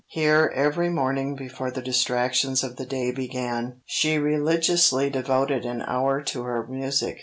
Here every morning before the distractions of the day began, she religiously devoted an hour to her music.